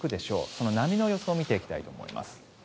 その波の予想を見ていきたいと思います。